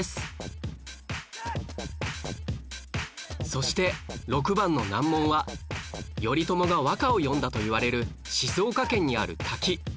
そして６番の難問は頼朝が和歌を詠んだといわれる静岡県にある滝